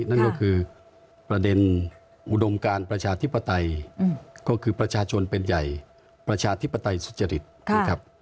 นั่นก็คือประเด็นอุดมการประชาธิปไตยก็คือประชาชนเป็นใหญ่ประชาธิปไตยสุจริตนะครับ